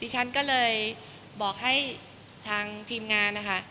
ฉันก็เลยบอกให้ทางทีมงานนะคะ